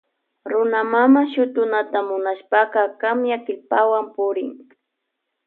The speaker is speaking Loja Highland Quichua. Runa mana shutunata munashpaka kamyakillpawan purina.